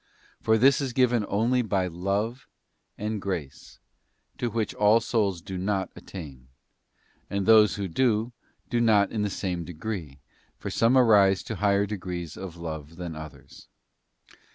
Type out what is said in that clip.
For _ this is given only by love and grace, to which all souls do not attain; and those who do, do not in the same degree, for some arise to higher degrees of love than others.